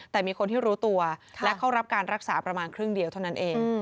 แต่มีคนที่รู้ตัวและเข้ารับการรักษาประมาณครึ่งเดียวเท่านั้นเอง